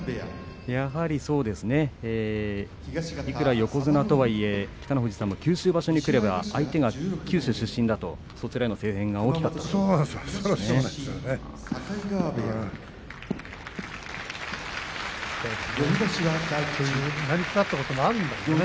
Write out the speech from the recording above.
いくら横綱とはいえ北の富士さんが九州場所に来れば相手が九州出身だとそちらへの声援が大きくなるわけですからね。